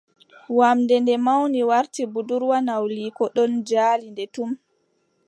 Wamnde nde mawni warti budurwa. Nawliiko ɗon jali nde tum.